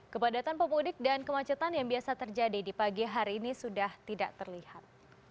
kepadatan pemudik dan kemacetan yang biasa terjadi di pagi hari ini sudah tidak terlihat